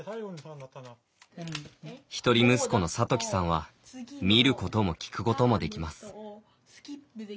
一人息子の諭樹さんは見ることも聴くこともできます。